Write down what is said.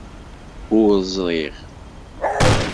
Ur ẓriɣ.